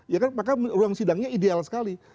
ya kan maka ruang sidangnya ideal sekali